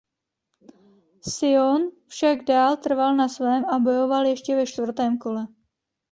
Sion však dál trval na svém a bojovali ještě ve čtvrtém kole.